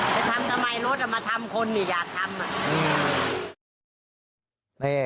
จะทำทำไมรถจะมาทำคนอยากทำ